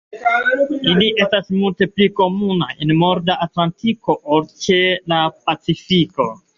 Ili estas multe pli komunaj en norda Atlantiko ol ĉe la Pacifiko.